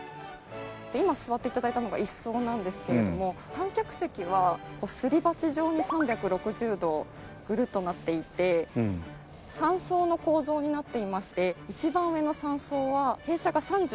今座って頂いたのが１層なんですけれども観客席はこうすり鉢状に３６０度グルッとなっていて３層の構造になっていまして一番上の３層は傾斜が３４度ございます。